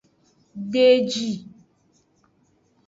De eji.